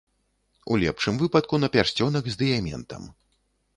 У лепшым выпадку, на пярсцёнак з дыяментам.